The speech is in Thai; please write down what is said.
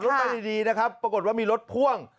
รถไปดีปรากฏว่ามีรถพ่วง